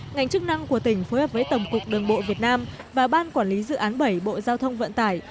ngành chức năng của tỉnh phối hợp với tổng cục đường bộ việt nam và ban quản lý dự án bảy bộ giao thông vận tải